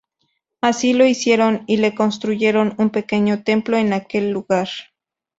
Así lo hicieron, y le construyeron un pequeño templo en aquel lugar.